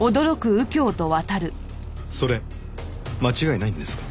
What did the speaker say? それ間違いないんですか？